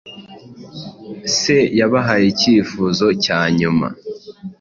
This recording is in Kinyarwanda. Se yabahaye icyifuzo cya nyuma